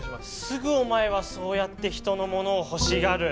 すぐお前はそうやって人のものを欲しがる。